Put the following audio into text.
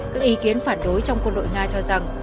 các ý kiến phản đối trong quân đội nga cho rằng